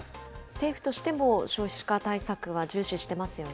政府としても少子化対策は重視してますよね。